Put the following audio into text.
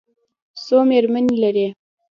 څو مېرمنې لري؟